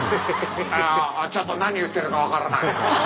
ちょっと何言ってるか分からない。